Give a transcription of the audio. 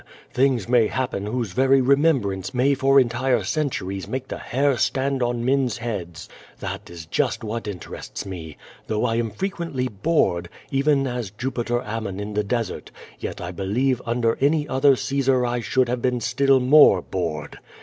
Things may happen whose very remem brance may for entire centuries make the hair stand on men's heads. That is just what interests me. Though I am fre quently bored, even as tTupiter Amnion in the desert, yet I believe under any other Caesar I should have been still more bored.